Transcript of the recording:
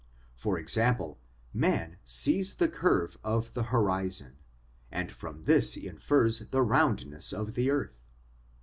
For example, man sees the curve of the horizon, and from this he infers the roundness of the earth.